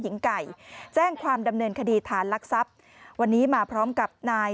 หญิงไก่แจ้งความดำเนินคดีฐานลักทรัพย์วันนี้มาพร้อมกับนาย